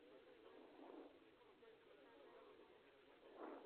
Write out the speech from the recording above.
Ambos títulos incluyen un trabajo de tesis con discusión final.